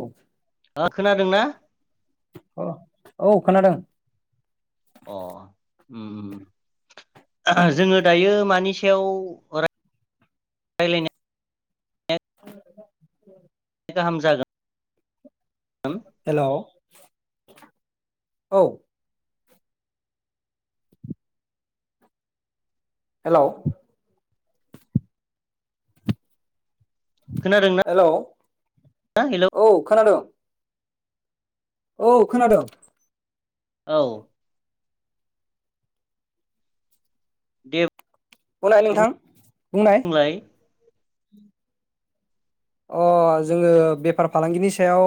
औ ओ खोनादोंना अ औ खोनादों अ उम जोङो दायो मानि सायाव रायलायनो गाहाम जागोन हेलौ औ हेलौ खोनादोंना हेलौ हेलौ औ खोनादों औ खोनादों औ दे उनाय नोंथां बुंनाय बुंलाय अ जोङो बेफार फालांगिनि सायाव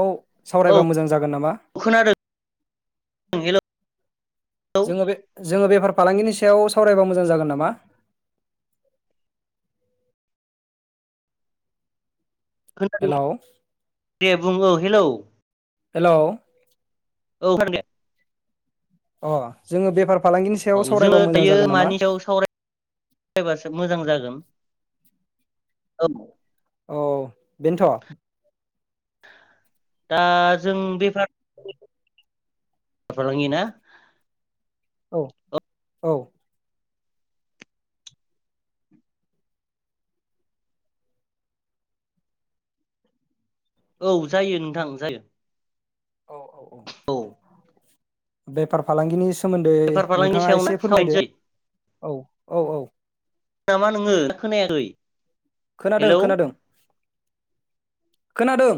औ सावरायबा मोजां जागोन नामा खोनादों हेलौ जोङो बे जोङो बेफार फालांगिनि सायाव सावरायबा मोजां जागोन नामा खोनादों हेलौ दे बुं औ हेलौ हेलौ औ खोनादों दे अ जोङो बेफार फालांगिनि सायाव औ जोङो सावरायबा मोजां दायो जागोन नामा मानि सायाव सावरायबासो मोजां जागोन औ औ बेनोथ' दा जों बेफार फालांगि ना औ औ औ जायो नोंथां जायो औ औ औ बेफार फालांगिनि सोमोन्दै बेफार फालांगिनि नोंथाङा सायाव ना एसे फोरमायदो सावरायनोसै औ औ औ नामा नोङो ना खोनायाखै खोनादों हेलौ खोनादों खोनादों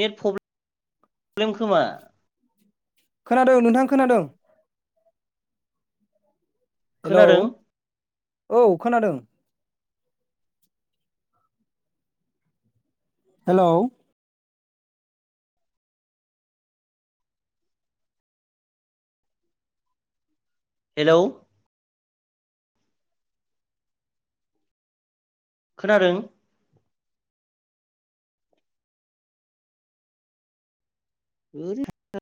नेट प्रब्लेम खोमा खोनादों नोंथां खोनादों हेलौ खोनादों औ खोनादों हेलौ हेलौ खोनादों [unintelligible]